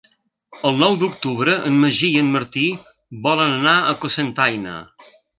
El nou d'octubre en Magí i en Martí volen anar a Cocentaina.